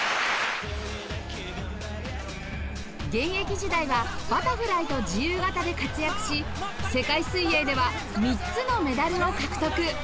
現役時代はバタフライと自由形で活躍し世界水泳では３つのメダルを獲得